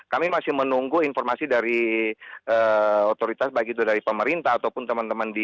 kami masih menunggu informasi dari otoritas baik itu dari pemerintah ataupun teman teman di